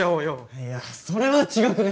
いやそれは違くね？